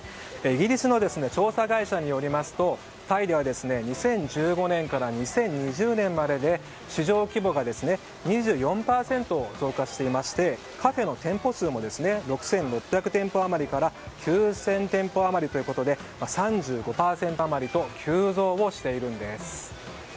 イギリスの調査会社によりますとタイでは２０１５年から２０２０年までで市場規模が２４％増加していましてカフェの店舗数も６６００店舗余りから９０００店舗余りということで３５％余りと急増をしているんです。